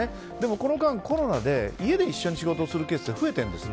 この間、コロナで家で一緒に仕事をするケースが多いんです。